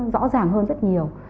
rõ ràng hơn rất nhiều